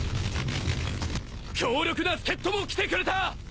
強力な助っ人も来てくれた！